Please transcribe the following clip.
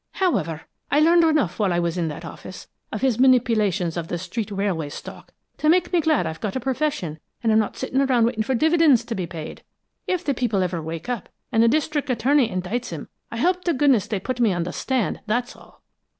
However, I learned enough while I was in that office, of his manipulations of the street railway stock, to make me glad I've got a profession and am not sitting around waiting for dividends to be paid. If the people ever wake up, and the District Attorney indicts him, I hope to goodness they put me on the stand, that's all."